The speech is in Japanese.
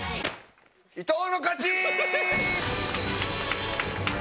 伊藤の勝ち！